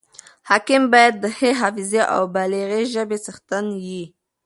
حاکم باید د ښې حافظي او بلیغي ژبي څښتن يي.